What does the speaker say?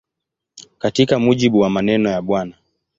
Katika mujibu wa maneno ya Bw.